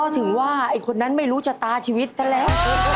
ถึงว่าไอ้คนนั้นไม่รู้ชะตาชีวิตซะแล้ว